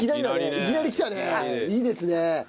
いいですね。